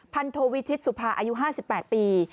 พันโทวิชิตสุภาอายุ๕๘ปี